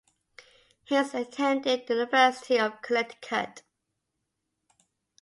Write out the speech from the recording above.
Hinds attended the University of Connecticut.